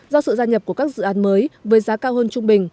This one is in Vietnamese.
do sự gia nhập của các dự án mới với giá cao hơn trung bình